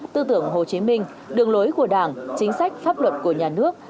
tư tưởng hồ chí minh đường lối của đảng chính sách pháp luật của nhà nước